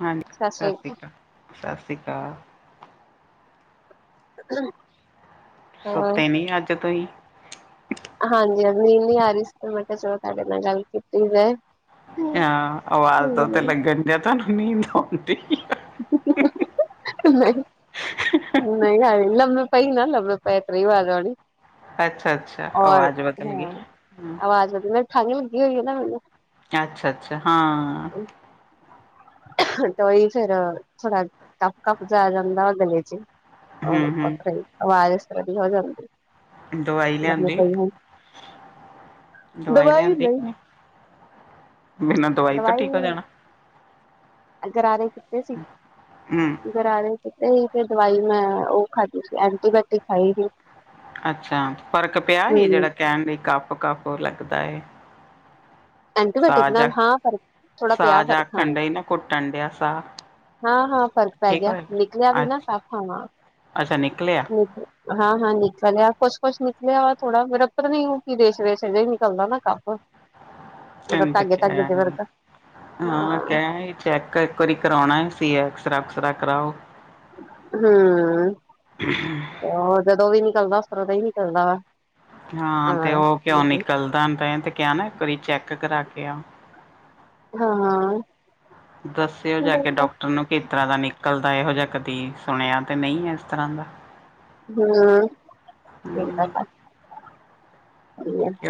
ਹਾਂਜੀ ਸਤਿ ਸ੍ਰੀ ਸਾਸੀਕਾਲ ਸਾਸੀਕਾਲ। [inaudible] ਅਕਾਲ। ਸੁੱਤੇ ਨੀ ਆੱਜ ਤੁਹੀ। ਹਾਂਜੀ- ਹਾਂਜੀ ਨੀ ਆ ਰੀ ਸੀ ਮੈਂ ਕਿਆ ਚਲੋ ਤੁਆਡੇ ਨਾਲ ਗੱਲ ਕੀਤੀ ਮੈਂ। ਹਾਂ ਆਵਾਜ਼ ਤੋ ਤੇ ਲੱਗਣ ਦਿਆ ਤੁਹਾਨੂੰ ਨੀਦ ਨੀਆਉਣਦੀ। ਨਹੀ। ਈ ਲ ਮ ਪਾਈ ਨਾ੍ਰ [unintelligible] ਪਾਈਤ ਇ ਵਦ ਵਾਲੀ ਅੱਛਾ ਅੱਛਾ ਹੋਰ ਆਵਾਜ਼ ਬਦਲ ਗਈ ਹੂੰ ਆਵਾਜ਼ ਵਦੀ ਮ ਖਾੰਗ ਲੱਗੀ ਹੋਈ ਏ ਨਾ ਮੈਨੁੂੰ ਅੱਛਾ- ਅੱਛਾ ਹਾਂ। ਤੇਹੀ ਫੇਰ ਥੋੜਾ ਟੱਪ ਕਪ ਜਾ ਜਾਂਦਾ ਵਾ ਗਲੇ 'ਚ। ਹ ਹਮ ਹਮ ਉੱਥੇ ਆਵਾਜ ਇਸ ਤਰ੍ਹਾਂ ਦੀ ਹੋ ਜਾਦੀ। ਦਵਾਈ ਲਿਆਂਦੀ। ਦਵਾਈ ਲਿਆਂਦੀ ਕੀ ਨੀ ਬਿਨਾਂ ਦਵਾਈ ਤੋ ਠੀਕ ਹੋ ਜਾਣਾ। ਗਰਾਰੇ ਕੀਤੇ ਸੀ। ਹਮ ਗਰਾਰੇ ਕੀਤੇ ਸੀ ਤੇ ਦਵਾਈ ਮੈ ਉਹ ਖਾਧੀ ਸੀ ਐਂਟੀਬਾਇਓਟਿਕ ਖਾਈ ਸੀ। ਅੱਛਾ, ਫ਼ਰਕ ਪਿਆ ਹੈ? ਹੂੰ ਜਿਹੜਾ ਕਹਿਣ ਲਈ ਕੱਪ-ਕੱਪ ਲੱਗਦਾ ਏ। ਐਂਟੀਬਾਇਓਟਿਕ ਸਾਹ ਜਾ, ਨਾਲ ਹਾਂ ਫ਼ਰਕ ਥੋੜਾ ਪਿਆ ਸਾਜ ਫ਼ਰਕ ਆਖਣ ਡਈ ਨਾ, ਘੁੱਟਣ ਡਿਆ ਸਾਹ। ਹਾਂ- ਹਾਂ ਫ਼ਰਕ ਪੈ ਠੀਕ ਗਿਆ ਨਿਕਲਿਆ ਹੋਇਆ ਵੀ ਨਾ ਅੱਛਾ ਕਫ ਹਨਾ ਅੱਛਾ ਨਿਕਲਿਆ ਠੀਕ ਏ। ਹਾਂ - ਹਾਂ ਨਿਕਲਿਆ ਕੁੱਛ- ਕੁਛ ਨਿਕਲਿਆ ਵਾ ਥੋੜਾ ਫੇਰ ਆਪਾਂ ਨੀ ਯਟਯੂਬ ਤੇ ਕੀ ਦੇਖ ਰਹੇ ਸੀ ਅਜੇ ਹੀ ਨਿਕਲਦਾ ਨਾ ਕਫ। [unintelligible] ਤਿੰਨ ਧਕਿਆ ਰਿਹਾ ਹਾਂ, ਕਹਿ ਆਂਈ ਚੈੱਕ ਇੱਕ ਵਾਰੀ ਕਰਾਉਣਾ ਏ, ਫਿਰ ਐਕਸਰਾ-ਉਕਸਰਾ ਕਰਾਓ। ਹਮ ਉਹ ਜਦੋਂ ਵੀ ਨਿਕਲਦਾ ਇਸ ਤਰਾਂ ਹੀ ਨਿਕਲਦਾ ਵਾ ਹਾਂ ਤੇ ਉਹ ਕਿਉ ਨਿਕਲਦਾ ਤੇ ਕ ਨਾ ਇੱਕ ਵਾਰੀ ਚੈੱਕ ਕਰਾ ਕੇ ਆ ਹਾਂਾਂ ਦੱਸਿਓ ਜਾ ਕੇ ਡਾਕਟਰ ਨੂੰ ਇਸ ਤਰ੍ਹਾਂ ਦਾ ਨਿਕਲਦਾ ਇਹੋ ਜਿਹਾ ਕਦੀ ਸੁਣਿਆ ਤੇ ਨਹੀਂ ਹੈ ਇਸ ਤਰ੍ਹਾਂ ਦਾ ਹੂੰ ਇਦਾ ਹੂੰ ਕਰ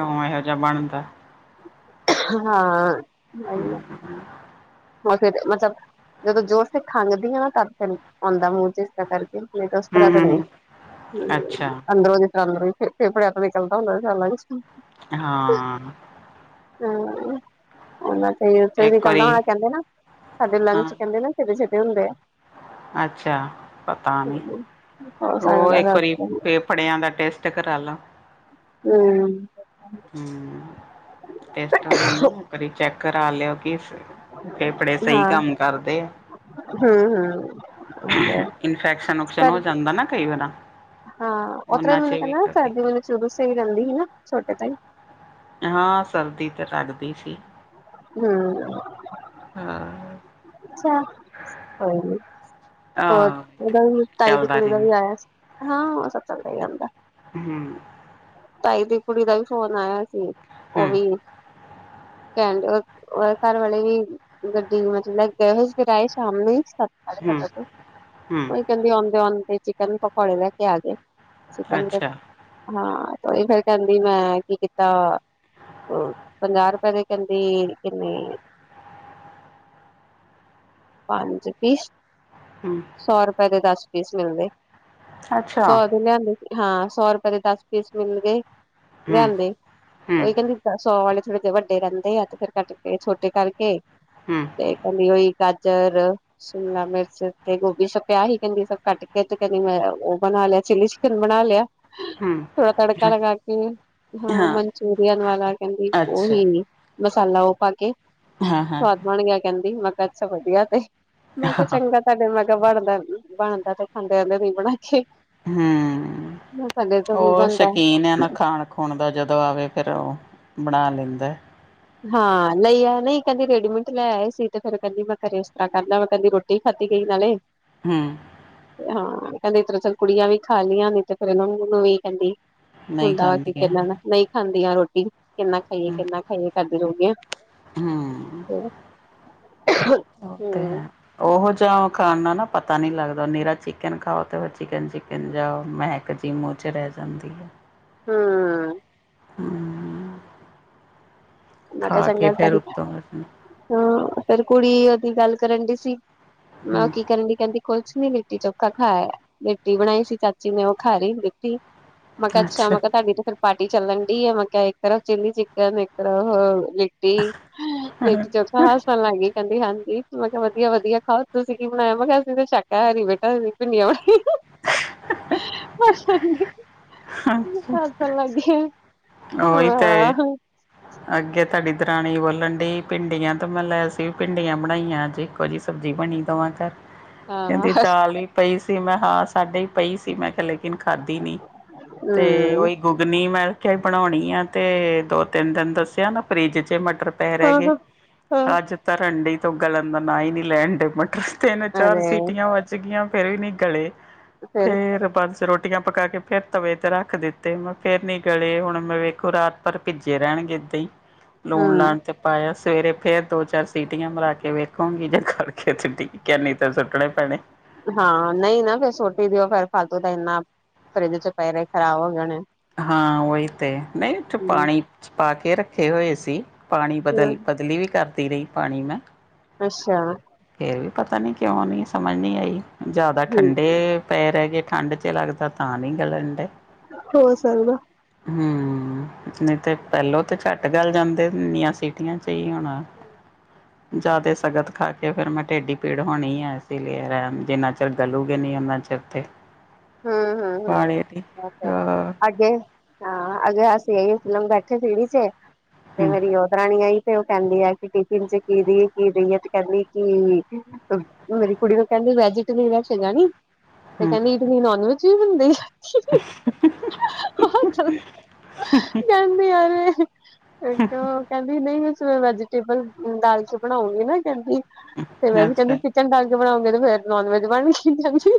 ਇਹੋ ਜਾ ਬਣਦਾ ਹਾਂ ਸਹੀ ਹੈ ਉਹ ਫਿਰ ਮਤਲਬ ਜਦੋਂ ਜੋਰ ਤੇ ਖੰਘਦੀ ਆ ਨਾ ਤਾਂ ਫਿਰ ਆਉਂਦਾ ਮੂੰਹ ਚਚ ਇਸ ਤਰ ਕਰਕੇ ਤ੍ਹਾਂ ਤੇ ਨਹੀਂ ਹੂੰ। ਅੱਛਾ ਅੰਦਰੋਂ ਚੱਲਹੀ ਫ ਫੇਪੜਿਆ ਤੇ ਨਿਕਲਦਾ ਹੁੰਦਾ ਚੱਲ ਹਾਂ ਰੇਸ਼ਾ ਇੱਕ ਨਿਕਲਦਾ ਵਾਰੀ ਹੁਣ ਕਹਿੰਦੇ ਨਾ ਸਾਡੇ ਲੰਗ ਹਾਂ ਚ ਕਹਿੰਦੇ ਨਾ ਛਿੇ ਛਿੇ ਹੁੰਦੇ ਆ ਅੱਛਾ ਪਤਾ ਨੀ ਹੋ ਉਹ ਸਕਦਾ ਇੱਕ ਵਾਰੀ ਫ ਹੂੰ ਫੇਫੜਿਆਂ ਦਾ ਟੇਸਟ ਕਰਾ ਲਓ ਹਮ ਹਾਂ ਟੈੱਸਟ ਹੋ ਜਾਂਦਾਾ ਨਾ ਇਕ ਵਾਰ ਚੈੱਕ ਕਰਾ ਲਿਓ ਕਿ ਫੇਫੜੇ ਸਹੀ ਹਾਂ ਕੰਮ ਕਰਦੇ ਆ ਹੂੰ ਹੂੰ ਉਹ ਤੇ ਇਨਫੈਕਸ਼ਨ ਉਕਸ਼ਨ ਸਰ ਹੋ ਜਾਂਦਾ ਨਾ ਕਈ ਵਾਰ ਉਹਨਾਂ ਚ ਵੀ ਕਰਦੀ ਜਦੋਂ ਸਹੀ ਰਹਿੰਦੀ ਸੀ ਨਾ ਛੋਟੇ ਤੋਂ ਹੀ ਹਾਂ ਸਰਦੀ ਤੇ ਲੱਗਦੀ ਸੀ ਹਾਂ ਅੱਛ ਹੋਰ ਆਹ ਉਹਦਾ ਵੀ ਤਾਈ ਦੀ ਚੱਲਦਾ ਕੁੜੀ ਦਾ ਰਹਿੰਦਾ ਵੀ ਆਇਆ ਸੀ ਹਾਂ ਸ ਪ ਜਾਂਦਾ ਹਮ ਤਾਈ ਦੀ ਕੁੜੀ ਦਾ ਵੀ ਫੋਨ ਆਇਆ ਸੀ ਉਹ ਹਮ ਵੀ ਕ ਘਰ ਵਾਲੇ ਵੀ ਗੱਡੀ ਮਤਲਬ ਗਏ ਹੋਏ ਫਿਰ ਆਏ ਸ਼ਾਮ ਨੂੰ ਹੀ ਹਮ ਹਮ ਉ ਕਹਿੰਦੀ ਆਉਂਦੇ ਆਉਂਦੇ ਚਿਕਨ ਪਕੌੜੇ ਲੈ ਕੇ ਆ ਗਏ ਚਿਕਨ ਅੱਛਾ ਹਾਂ ਫਿਰ ਕਹਿੰਦੀ ਮੈਂ ਕੀ ਕੀਤਾ ਪੰਜਾਹ ਰੁਪਏ ਦੇ ਕਹਿੰਦੇ ਕਿੰਨੇ ਨੀ ਪੰਜ ਪੀਸ ਹਮ ਸੌ ਰੁਪਏ ਦੇ ਦਸ ਪੀਸ ਮਿਲਦੇ ਅੱਛਾ ਸੌ ਦੇ ਲਿਆਂਦੇ ਸੀ ਹਾਂ ਸੌ ਰੁਪਏ ਦੇ ਦਸ ਮਿਲ ਗਏ ਹਮ ਲਿਆਨਦੇ ਹਮ ਉਹੀ ਕਹਿੰਦੀ ਸੌ ਵਾਲੇ ਥੋੜੇ ਜਿਹੇ ਵੱਡੇ ਰਹਿੰਦੇ ਆ ਤੇ ਫੇਿਰ ਕੱਟ ਕੇ ਛੋਟੇ ਕਰਕੇ ਹਮ ਫਿਰ ਤਲੀ ਹੋਈ ਗਾਜਰ ਸ਼ਿਮਲਾ ਮਿਰਚ ਤੇ ਗੋਭੀ ਸਬ ਪਿਆ ਹੀ ਕਹਿੰਦੀ ਸਭ ਕਟ ਕੇ ਤੇ ਕਹਦੀ ਮੈਂ ਉਹ ਬਣਾ ਲਿਆ ਚੀ ਚਿਕਨ ਬਣਾ ਲਿਆ ਹਮ ਥੋੜਾ ਤੜਕਾ ਲਗਾ ਕੇ ਹਾਂ ਮਨਚੂਰੀਅਨ ਵਾਲਾ ਕਹਿੰਦੀ ਅੱਛਾ ਉਹੀ ਮਸਾਲਾ ਉਹ ਪਾ ਕੇ ਹਾਂ ਸਵਾਦ ਬਣ ਗਿਆ ਕਹਿੰਦੀ ਮੈ ਕਿਹਾ ਵਧੀਆ ਤੇ ਮੈਂ ਕਿਹਾ ਹਾਂ ਚੰਗਾ ਤੁਹਾਡੇ ਮੈਂ ਕਿਹਾ ਬਣਦਾ ਬਣਦਾ ਤੇ ਖਾਂਦੇ ਰਹਿੰਦੇ ਨ ਬਣਾ ਕੇ [unintelligible] ਹੈ ਸਾਡੇ ਤੋਂ ਨੀ ਉਹ ਬਣਦਾ ਸ਼ਕੀਨ ਆ ਨਾ ਖਾਣ ਹੁਣ ਦਾ ਜਦੋਂ ਆਵੇ ਫਿਰ ਉਹ ਬਣਾ ਲੈਂਦਾ ਐ ਹਾਂ ਨਹੀਂ ਐ ਨਹੀਂ ਕਹਿੰਦੀ ਰੇਡੀਮੇਟ ਲੈ ਆਏ ਸੀ ਤੇ ਫਿਰ ਕਹਿੰਦੀ ਮੈਂ ਘਰੇ ਇਸ ਤਰ੍ਹਾਂ ਕਰਦਾ ਮੈਂ ਕਹਿੰਦੀ ਰੋਟੀ ਰ [unintelligible] ਖਾਤੀ ਗਈ ਨਾਲੇ ਹਮ ਹਾਂ ਕਹਿੰਦੇ ਚੱਲ ਫਿਰ ਕੁੜੀਆਂ ਵੀ ਖਾ ਲਈਆਂ ਨੇ ਤੇ ਫੇਰ ਇਹਨਾਂ ਨੂੰ ਵੀ ਕਹਿੰਦੀ ਨਹੀਂ ਹੁੰਦਾ ਵਾ ਖਾਂਦੀਆਂ ਕਿਨਾਂ ਨਹੀਂ ਖਾਂਦੀਆਂ ਰੋਟੀ ਕਿੰਨਾ ਖਾਈਏ ਕਿੰਨਾ ਖਾਈਏ ਕਰਦੀ ਹੋਣ ਗਈਆਂ ਹੂੰ ਉਹ ਤੇ ਹੈ। [unintelligible] ਉਹੋ ਜਿਹਾ ਖਾਣ ਨਾਲ ਨਾ ਪਤਾ ਨੀ ਲੱਗਦਾ ਨਿਰਾ ਚਿਕਨ ਖਾਓ। ਉਹ ਚਿਕਨ ਚਿਕਨ ਜਾਂ ਮਹਿਕ ਜੀ ਮੂੰਹ 'ਚ ਰਹਿ ਜਾਂਦੀ ਹੂੰ ਹੂੰ, [unintelligible] ਮ ਕਿਹਾ ਖਾ ਸਗ ਕੇ ਫੇਰ [unintelligible] ਉੱਤੋਂ ਹੂੰ ਹਾਂ ਫਿਰ ਕੁੜੀ ਉਹਦੀ ਗੱਲ ਕਰਨ ਡੀ ਸੀ ਮੈਂ ਉਹ ਕੀ ਕਰਨ ਡੀ ਕਹਿੰਦੀ ਕੁਛ ਨੀ ਲਿੱਟੀ ਚੋਖਾ ਖਾਇਆ ਲਿੱਟੀ ਬਣਾਈ ਸੀ ਚਾਚੀ ਨੇ ਉਹ ਖਾ ਰੀ ਲਿੱਟੀ ਮ ਕ ਅੱਛਾ ਮ ਕਿ ਤਾਡੀ ਤ ਫਿਰ ਪਾਰਟੀ ਚੱਲਣ ਡੀ ਮੈਂ ਕਿਹਾ ਇੱਕ ਤਰਫ ਚਿੱਲੀ ਚਿਕਨ ਇੱਕ ਤਰਫ ਅ ਲਿ ਟੀ ਲਿਟੀ ਚੋਖਾ ਹਸਣ ਲਗ ਗੀ ਕਹਿੰਦੀ ਹਾਂਜੀ ਮ ਕਿਹਾ ਵਧੀਆ ਵੀਆ ਖਾਓ ਤੁਸੀਂ ਕੀ ਬਣਾਇਆ ਮ ਕਿਹਾ ਅਸੀਂ ਤਾਂ ਸ਼ਾਕਾਹਾਰੀ ਬੇਟਾ ਅਸੀਂ ਤਾਂ ਭਿੰਡੀਆਂ ਬਣਾਈ। ਲੱਗ [unintelligible] ਉਹੀ ਤੇ [unintelligible] ਅੱਗੇ ਤੁਹਾਡੀ ਦਰਾਣੀ ਬੋਲਣ ਡੀ ਭਿੰਡੀਆਂ ਤੋਂ ਮੈਂ ਲੈ ਅਸੀਂ ਵੀ ਭਿੰਡੀਆਂ ਬਣਾਈਆਂ ਜੇ ਕੋ ਜੀ ਸਬਜ਼ੀ ਬਣੀ ਦੋਵਾਂ ਘਰ ਕਹਿੰਦੀ ਦਾਲ ਈ ਪਈ ਸੀ ਮੈਂ ਹਾਂ ਸਾਡੇ ਹੀ ਪਈ ਸੀ ਮੈਂ ਕਿਹਾ ਲੇਕਿਨ ਖਾਧੀ ਨੀ ਤੇ ਉਹੀ ਗ ਨੀ ਮੈਂ ਖਿਆ ਬਣਾਉਣੀ ਆ ਤੇ ਦੋ ਤਿੰਨ ਦਿਨ ਦੱਸਿਆ ਨਾ ਫਰਿਜ ਚ ਮਟਰ ਪੈ ਰਹਿ ਗੇ ਅੱਜ ਧਰਨ ਡੀ ਤੇ ਉਹ ਗਲਣ ਦਾ ਨਾ ਹੀ ਨੀ ਲੈਣ ਡੇ ਮਟਰ ਤਿੰਨ ਚਾਰ ਸੀਟੀਆਂ ਵੱਜ ਗਈਆਂ ਫੇਰ ਵੀ ਨੀ ਗਲੇ ਫਿਰ ਫੇਰ ਬਸ ਰੋ ਟੀਆਂ ਪਕਾ ਕੇ ਫੇਰ ਤਵੇ ਤੇ ਰੱਖ ਦਿੱਤੇ ਮੈਂ ਫੇਰ ਨੀ ਗਲੇ ਹੁਣ ਮੈਂ ਵੇਖੋ ਰਾਤ ਭਰ ਭਿੱਜੇ ਰਹਿਣਗੇ। ਅਤੇ [unintelligible] ਲੂਣ ਹੂੰ ਲਾਣ ਤੇ ਪਾਇਆ ਸਵੇਰੇ ਫੇਰ ਦੋ ਚਾਰ ਸੀਟੀਆਂ ਮਰਾ ਕੇ ਵੇਖੂੰਗੀ ਜੇ ਗਲਗੇ ਗੇ ਆ ਨੀ ਤੇ ਸੁੱਟਣੇ ਪੈਣੇ। ਹਾਂ ਨਹੀਂ ਨਾ ਫੇਰ ਸੁਟ ਈ ਦਿਓ ਫੇਰ ਫਾਲਤੂ ਤਾਂ ਇੰਨਾ ਫਰਿੱਜ ਚ ਪਏ ਰਹੇ ਖ਼ਰਾਬ ਹੋ ਜਾਣੇ ਹਾਂ ਉਹੀ ਤੇ ਨਹੀਂ ਥ ਪਾਣੀ ਚ ਪਾ ਕੇ ਰੱਖੇ ਹੋਏ ਸੀ। ਪਾਣੀ ਬਦਲ ਹੂੰ ਬਦਲੀ ਵੀ ਕਰਦੀ ਰਹੀ ਪਾਣੀ ਮੈਂ। ਅੱਛਾ ਫੇਰ ਵੀ ਪਤਾ ਨੀ ਕਿਉਂ ਨਹੀਂ ਸਮਝ ਨਹੀਂ ਆਈ ਜ਼ਿਆਦਾ ਹੂੰ ਠੰਡੇ ਪੈਰ ਰਹਿ ਗਏ ਠੰਡ 'ਚ ਲੱਗਦਾ ਤਾਂ ਨਹੀਂ ਗਲਣਡਏ ਹੋ ਸਕਦਾ ਹਮ ਨਹੀਂ ਤੇ ਪਹਿਲੋਂ ਤੇ ਝੱਟ ਗੱਲ ਜਾਂਦੇ ਇਨੀਆਂ ਸੀ- - ਪਤੀਆਂ [unintelligible] ਚਹੀ ਹੋਣਾ। ਜ਼ਿਆਦਾ ਸਗਤ ਖਾ ਕੇ ਫੇਰ ਮੈਂ ਟਢੇਡੀ ਪੀੜ ਹੋਣੀ ਆ ਇਸ ਲਈ ਰਹਿ ਨਾ ਚਕ ਗਲੂਗੇ ਨਹੀਂ ਓਨਾ ਚਿਰ ਤੇ ਹੂੰ ਹੂੰ ਪਾਣੀ ਦੀ ਹੂੰ, ਤੇ ਹਾਂ ਅੱਗੇ ਹਾਂ ਅੱਗੇ ਅਸੀਂ ਆਈ ਫਿਲਮ ਬੈਠੇ ਸੀੜੀ ਚ ਤੇ ਹੂੰ ਮੇਰੀ ਓਹ ਰਾਣੀ ਆਈ। ਤੇ ਉਹ ਕਹਿੰਦੀ ਐ ਕਿ ਟਿਫਿਨ ਚ ਕੀ ਦੀਈਏ ਕੀ ਦੇਈਏ ਤੇ ਕਹਿੰਦੀ ਕਿ ਮੇਰੀ ਕੁੜੀ ਨੂੰ ਕਹਿੰਦੀ ਵੈਜੀਟਬਸਗਾ ਨਿੰਮ [unintelligible] ਤੇ ਹੂੰ ਕਹਿੰਦੀ ਇਡਲੀ ਨੋਨ ਵੈਜ ਵੀ ਬਣਦੇ ਆ ਕਹਿੰਦੀ ਅਰੇ ਕਹਿੰਦੀ ਨਹੀਂ ਮੈਂਵੇ [unintelligible] ਵੈਜੀਟੇਬਲ ਦਾਲ ਚ ਬਣਾਉਂਗੀ ਨਾ ਕਹਿੰਦੀੈ ਕਹਿੰਦੀ ਅੱਛਾ ਕਿ ਚਡਾਲ ਕੇ ਬਣਾਉਂਗੇ ਤੇ [unintelligible] ਫਰ ਨੋਨ ਵੈਜ ਬਣਗੀ ਕਹਿੰਦੀ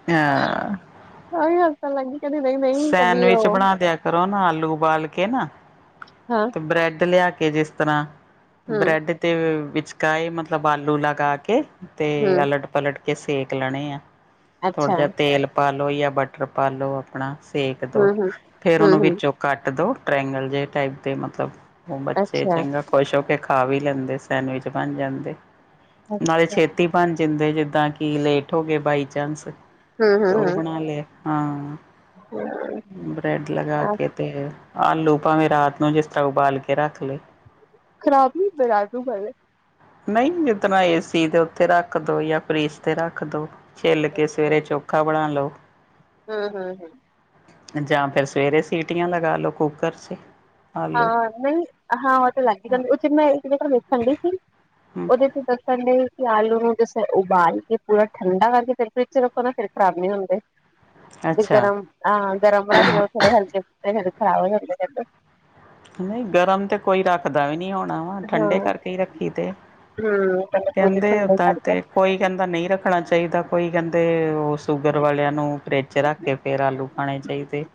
[unintelligible] ਮੈਂ ਵੀ ਹੱਸਣ ਲਗ ਗੀ, ਕੈਂਦੀ ਨਈ-ਨਈ ਕਦੀ ਔ ਸੈਂਡਵਿਚ ਬਣਾ ਦਿਆ ਕਰੋ ਨਾ ਆਲੂ ਉਬਾਲ ਕੇ ਨਾ ਹਾਂ। ਤੇ ਬ੍ਰੈਡ ਲਿਆ ਕੇ ਜਿਸ ਤਰ੍ਹਾਂ, ਹੂੰ ਬ੍ਰੈਡ ਤੇ ਵਿੱਚਕਾਏ ਮਤਲਬ ਆਲੂ ਲਗਾ ਕੇ ਤੇ ਹੂੰ ਅਲਟ ਪਲਟ ਕੇ ਸੇਕ ਲੈਣੇ ਆ ਥੋੜ੍ਹਾ ਅੱਛਾ ਜਿਹਾ ਤੇਲ ਪਾ ਲੋ ਜਾਂ ਬਟਰ ਪਾ ਲੋ ਆਪਣਾ ਏਕ ਦੋ ਹੂੰ ਹੂੰ ਫੇਰ ਹੂੰ ਔਨੂੰ ਹੂੰ ਵਿੱਚੋਂ ਕੱਟ ਦੋ, ਟ੍ਰੇਂਗਲ ਜੇ ਟਾਈਪ ਦੇ ਮਤਲਬ ਔ ਬੱਚੇ ਅੱਛਾ ਚੰਗਾ ਖੁਸ਼ ਹੋ ਕੇ ਖਾ ਵੀ ਲੈਂਦੇ ਸੈਂਡਵਿਚ ਬਣ ਜਾਂਦੇ, ਨਾਲੇ ਅੱਛਾ ਛੇਤੀ ਤੇ ਬਣ ਜਾਂਦੈ ਜਿੱਦਾਂ ਕਿ ਲੇਟ ਹੋ ਗਏ ਬਾਈ ਚਾਂਸ ਹੂੰ ਹੂੰ ਤੇ ਔ ਬਣਾ ਲਿਆ। ਹਾਂ। [unintelligible] ਹੂੰ, ਬਰੈਡ ਲਗਾ ਹੂੰ ਕੇ ਤੇ ਆਲੂ ਭਾਵੇਂ ਰਾਤ ਨੂੰ ਜਿਸ ਤਰ੍ਹਾਂ ਉਬਾਲ ਕੇ ਰੱਖ ਲੇ ਖ਼ਰਾਬ ਨੀ ਹੁੰਦੇ ਰਾਤ ਨੂੰ ਉਬਾਲੇ। ਨਈ ਜਿਤਰਾਂ ਏ ਸੀ ਦੇ ਉੱਤੇ ਰੱਖ ਦੋ ਯਾਂ ਫਰਿਜ ਤੇ ਰੱਖ ਦੋ ਛਿੱਲ ਕੇ ਸਵੇਰੇ ਚੋਖਾ ਬਣਾ ਲੌ। ਹੂੰ, ਹੂੰ, ਹੂੰ। ਜਾਂ ਫੇਰ ਸਵੇਰੇ ਸੀਟੀਆਂ ਲਗਾ ਲੋ ਕੂੱਕਰ 'ਚ ਈ। ਹਾਂ ਨਈ, ਹਾਂ ਔ ਤੇ ਲੱਗ ਈ ਜਾਂਦੇ ਔਚ, ਮੈ ਇੱਕ ਜਗ੍ਹਾ ਵੇਖਣ ਗਈ ਸੀ ਹੂੰ ਔਦੇ ਤੇ ਦੱਸਣ ਡਏ ਕਿ ਆਲੂ ਨੂੰ ਜਿਸਲੇ ਉਬਾਲ ਕੇ, ਪੂਰਾ ਠੰਡਾ ਕਰਕੇ ਫਿਰ ਫ੍ਰਿਜ 'ਚ ਰੱਖੋ ਨਾ ਫਿਰ ਖਰਾਬ ਨੀ ਹੁੰਦੇ। ਤੇ ਅੱਛਾ ਗਰਮ, ਹਾਂ ਗਰਮ ਰੱਖ ਦੋ ਥੋੜੇ ਹਲਕੇ [unintelligible] ਖਰਾਬ ਹੋ ਜਾਣਗੇ ਤੁਆਡੇ। ਨਈ ਗਰਮ ਤੇ ਕੋਈ ਰੱਖਦਾ ਵੀ ਨਈ ਹੋਣਾ ਵਾ, ਠੰਡੇ ਕਰਕੇ ਈ ਰੱਖੇ ਦੇ ਆ। ਹੂੰ। ਕੈਂਦੇ ਔਦਾਂ ਤੇ ਕੋਈ ਕੈਂਦਾ ਨਈ ਰੱਖਣਾ ਚਾਈਦਾ ਕੋਈ ਕੈਂਦੇ ਔ ਸ਼ੂਗਰ ਵਾਲਿਆਂ ਨੂੰ ਫ੍ਰਿਜ 'ਚ ਰੱਖ ਕੇ ਫਿਰ ਆਲੂ ਖਾਣੇ ਚਾਹੀਦੇ।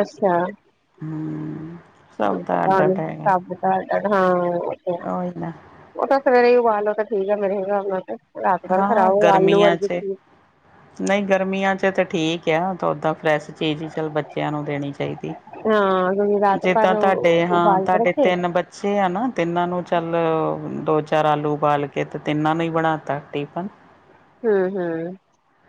ਅੱਛਾ। ਹੂੰ। ਸਭ ਦਾ [unintelligible] ਅੱਡ ਪਤਾ ਨਈ, [unintelligible] ਹਾਂ। ਔ ਈ ਨਾ। ਔ ਤਾਂ ਸਵੇਰੇ ਈ ਉਬਾਲ ਲੋ ਤਾ ਠੀਕ ਐ ਮੇਰੇ ਹਿਸਾਬ ਨਾਲ ਤੇ ਰਾਤ ਭਰ ਖਰਾਬ [unintelligible] ਆਲੂ ਵਰਗੀ ਚੀਜ ਨਈ ਗਰਮੀਆਂ 'ਚ ਤ ਠੀਕ ਐ ਤਾਂ ਔਦਾਂ ਫਰੈਸ਼ ਚੀਜ਼ ਹੀ ਫੇਰ ਬੱਚਿਆਂ ਨੂੰ ਦੇਣੀ ਚਾਈਦੀ। ਹਾਂ ਕਿਉਂਕਿ ਰਾਤ ਭਰ ਜਿੱਦਾਂ ਤੁਹਾਡੇ ਹਾਂ, ਉਬਾਲ ਕੇ ਤਾਡੇ ਰੱਖੇ ਤਿੰਨ ਬੱ ਚਿਆਂ ਨੂੰ, ਤਿੰਨਾਂ ਨੂੰ ਚੱਲ ਦੋ-ਚਾਰ ਆਲੂ ਉਬਾਲ ਕੇ ਤੇ ਤਿੰਨਾਂ ਨੂੰ ਈ ਬਣਾ ਤਾ। ਟਿਫਨ ਹਮ ਹਮ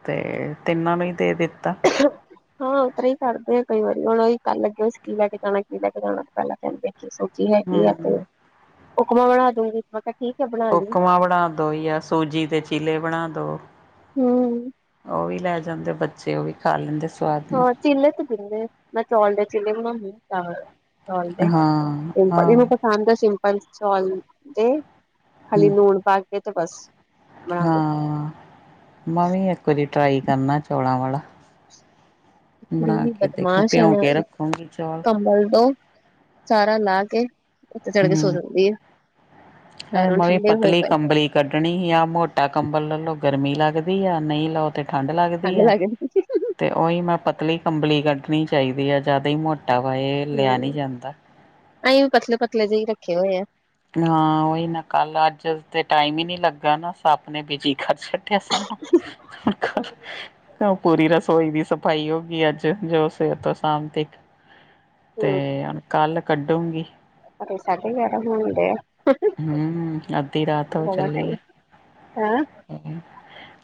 ਤੇ ਤਿੰਨਾਂ ਨੂੰ ਈ ਦੇ ਦਿੱਤਾ। [unintelligible] ਹਾਂ ਉਤਰਾਂ ਹੀ ਕਰਦੇ ਆ ਕਈ ਵਾਰੀ ਹੁਣ ਐ ਈ ਕਰਨ ਲੱਗੇ ਅਸੀ ਕੀ ਲੈ ਕੇ ਜਾਣੈ, ਕੀ ਲੈ ਕੇ ਜਾਣੈ ਪੈਲਾਂ ਕੈਂਦੇ ਕਿ ਸਬਜੀ ਹੈਗੀ ਆ ਤੇ ਹੂੰ। ਉਕਮਾਂ ਬਣਾ ਦੋ ਮੈਂ ਕਿਆ ਠੀਕ ਐ। ਉਕਮਾਂ ਬਣਾ ਦੋ ਯਾਂ ਸੂਜੀ ਦੇ ਚੀਲੇ ਬਣਾ ਦੋ। ਹਮ ਔ ਵੀ ਲੈ ਜਾਂਦੇ ਬੱਚੇ ਔ ਵੀ ਖਾ ਲੈਂਦੇ ਸਵਾਦ ਨਾਲ। ਚਿੱਲੇ ਤੇ ਬਿੰਲੇ ਮੈਂ ਚੌਲ ਦੇ ਚਿੱਲੇ ਬਨਾਂਦੀ ਚੋਲ ਦੇ, ਹਾਂ [unintelligible] ਆਹੋ। ਖਾਂਦੇ ਸਿੰਪਲ ਚੋਲ ਦੇ ਖਾਲੀ ਲੂਣ ਪਾ ਕੇ ਤੇ ਬਸ। ਬਣਾ ਦੋ ਹਾਂ, ਮੈਂ ਵੀ ਇੱਕ ਵਾਰੀ ਟਰਾਈ ਕਰਨਾ ਚੌਲਾਂ ਵਾਲਾ। ਇੱਕ ਕੁੜੀ ਬਣਾ ਵੀ ਕੇ ਦੇਖੋ ਬਦਮਾਸ਼ ਐ ਭਿਉਂ ਕੇ ਨਾਲ ਰੱਖੂਗੀ ਚੌਲ ਕੰਬਲ ਦੋ ਸਾਰਾ ਲਾਅ ਕੇ ਉੱਤੇ ਚੜ੍ਹ ਕੇ ਸੋ ਹਮ ਜਾਂਦੀ ਏ। ਅਰੇ ਪੈਰ ਹੋਨ ਮੈਂ ਵੀ ਠੰਡੇ ਹੋਏ ਪਤਲੀ ਪਏ ਨ। ਕੰਬਲੀ ਕੱਢਣੀ ਹੀ ਆ। ਮੋਟਾ ਕੰਬਲ ਲਲੌ ਗਰਮੀ ਲੱਗਦੀ ਆ, ਨਈ ਲਔ ਤੇ ਠੰਢ ਲੱਗਦੀ ਆ। ਤੇ ਔਈ ਮੈਂ ਪਤਲੀ ਕੰਬਲੀ ਕੱਢਣੀ ਚਾਈਦੀ ਆ ਜਾਦਾ ਈ ਮੋਟਾ ਵਾ ਏ ਲਿਆ ਨਈ ਜਾਂਦਾ। ਅਹੀ ਵੀ ਪਤਲੇ-ਪਤਲੇ ਜੇ ਈ ਰੱਖੇ ਹੋਏ ਆ। ਹਾਂ ਉਹੀ ਨਾ, ਕੱਲ ਅੱਜ ਤੇ ਟਾਈਮ ਹੀ ਨੀ ਲੱਗਾ ਨਾ ਸੱਬ ਨੇ ਬਿਜੀ। ਘਰ ਛੱਡਿਆ ਸਾਨੂੰ, ਪੂਰੀ ਰਾਤ ਰਸੋਈ ਦੀ ਸਫ਼ਾਈ ਹੋ ਗਈ ਅੱਜ, ਜੋ ਸਵੇਰ ਤੋਂ ਸਾਮ ਤੱਕ ਹੂੰ ਕੱਲ੍ਹ ਕੱਢੂਗੀ ਪਰ ਸਾਡੇ ਗਿਆਰਹ ਹੋਣ ਗੇ। ਹੂੰ, ਅੱਧੀ ਰਾਤ ਹੋ ਬਹੁਤ ਚੱਲੀ ਟਾਈਮ ਆ। ਹੈਂ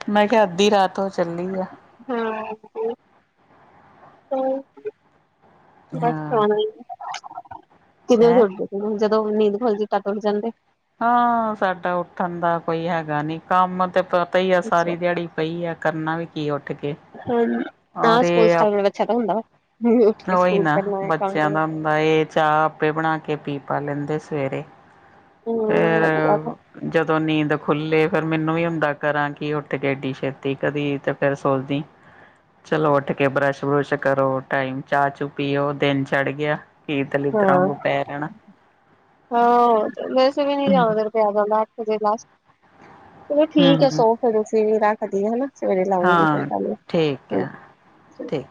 ਮੈਂ ਕਿਆ ਅੱਧੀ ਰਾਤ ਹੋ ਚੱਲੀ ਆ। ਹੂ ਔ ਹ, ਬਸ ਹਾਂ, ਖਾਣਾ ਹੀ ਹੈ। ਕਿੰਨੇ ਵਜੇ ਹੈਂ। ਉੱਠਦੇ ਹੋ, ਜਦੋਂ ਨੀਂਦ ਖੁੱਲ ਜਾਂਦੀ ਹੈ ਤਦ ਉੱਠ ਜਾਂਦੇ ਹੋ ਹਾਂ ਸਾਡਾ ਉੱਠਣ ਦਾ ਕੋਈ ਹੈਗਾ ਨੀ, ਕੰਮ ਤੇ ਪਈ ਆ, ਅੱਛਾ ਸਾਰੀ ਦਿਹਾੜੀ ਪਈ ਆ ਕਰਨਾ ਵੀ ਕੀ ਉੱਠ ਕੇ ਹਾਂ ਹ ਔਰ ਸਕੂਲ ਸਟਾਰਟ ਇਹ ਬਚਿਆ ਦਾ ਤਾਂ ਹੁੰਦਾ ਵਾ, ਉੱਠ ਕੇ ਸਕੂਲ ਕਰਨਾ ਕੰ ਬ ਇਹ ਚਾਹ ਆਪੇ ਬਣਾ ਕੇ ਪੀ ਪਾ ਲੈਂਦੇ ਸਵੇਰੇ ਹੂ ਫੇਰ ਵਧੀਆ ਹੈ ਜਦੋਂ ਨੀਂਦ ਖੁੱਲੇ, ਫੇਰ ਮੈਨੂੰ ਵੀ ਹੁੰਦਾ, ਕਰਾਂ ਕੀ ਉੱਠ ਕੇਡੀ ਛੇਤੀ ਕਦੀ ਤੇ ਫਿਰ ਸੋਚ ਦੀ ਚਲੋ ਉੱਠ ਕੇ ਬਰੱਸ਼ ਬੁਰਸ਼ ਕਰੋ, ਟਾਈਮ ਚਾਹ ਚੂ ਪੀਓ, ਦਿਨ ਚੜ ਗਿਆ ਕੀ ਦਲਿਦਰਾਂ ਹਾਂ, ਵਾਂਗੂੰ ਪੈ ਜਾਣਾ ਹਾਂ ਵੈਸੇ ਵੀ ਨਹੀਂ ਹੂੰ, ਜਿਆਦਾ ਪਿਆ ਜਾਂਦਾ, ਅੱਠ ਵਜੇ ਲਾਸਟ ਚਲੋ ਠੀਕ ਹੈ, ਹੂੰ। ਸੋਹ ਫਿਰ ਤੁਸੀਂ ਵੀ ਰੱਖਦੀ ਹੈਨਾ, ਸਵੇਰੇ ਲਾਉਗੀ ਹਾਂ ਫੱਲ ਠੀਕ ਹ ਹੈ ਠੀਕ